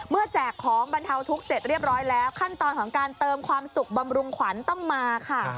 แจกของบรรเทาทุกข์เสร็จเรียบร้อยแล้วขั้นตอนของการเติมความสุขบำรุงขวัญต้องมาค่ะ